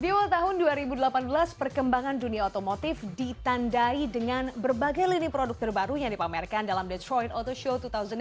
di awal tahun dua ribu delapan belas perkembangan dunia otomotif ditandai dengan berbagai lini produk terbaru yang dipamerkan dalam the train auto show dua ribu delapan belas